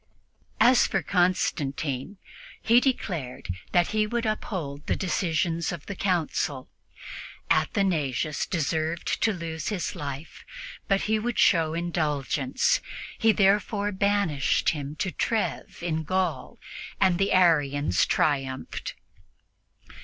As for Constantine, he declared that he would uphold the decisions of the Council. Athanasius deserved to lose his life, but he would show indulgence. He therefore banished him to Treves in Gaul, and the Arians triumphed.